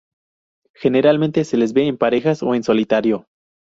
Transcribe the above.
Generalmente se les ve en parejas o en solitario.